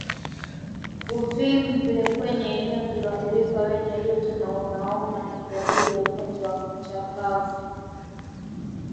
Uvimbe kwenye eneo lililoathirika wenye joto na unaouma ni dalili ya ugonjwa wa chambavu